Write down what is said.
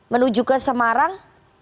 menuju ke semarang